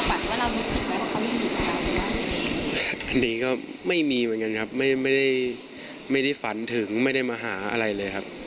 อันนี้ก็ไม่มีเหมือนกันครับไม่ได้ฝันถึงไม่ได้มาหาอะไรเลยครับ